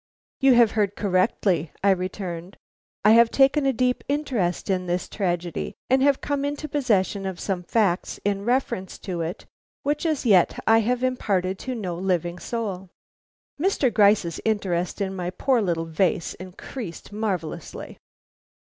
"You have heard correctly," I returned. "I have taken a deep interest in this tragedy, and have come into possession of some facts in reference to it which as yet I have imparted to no living soul." Mr. Gryce's interest in my poor little vase increased marvellously.